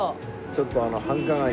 ちょっとあの繁華街で。